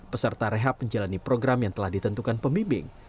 peserta rehab menjalani program yang telah ditentukan pembimbing